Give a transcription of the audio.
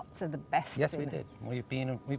yang menunjukkan kecemasan udara di seluruh dunia